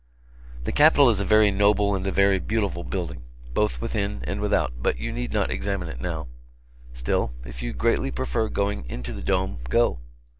The capitol is a very noble and a very beautiful building, both within and without, but you need not examine it now. Still, if you greatly prefer going into the dome, go.